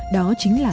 đó chính là